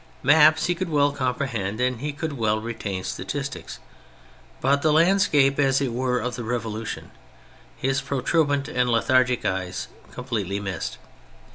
Maps he could well com prehend, and he could well retain statistics ; but the landscape, as it were, of the Revo lution his protuberant and lethargic eyes completely missed.